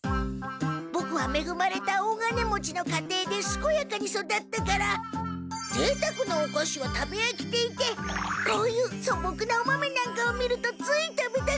ボクはめぐまれた大金持ちの家庭ですこやかに育ったからぜいたくなおかしは食べあきていてこういうそぼくなお豆なんかを見るとつい食べたくなっちゃう！